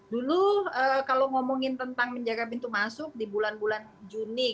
dulu kalau ngomongin tentang menjaga pintu masuk di bulan bulan juni